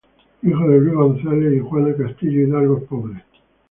Hijo de Luis González y Juana Castillo, hidalgos pobres.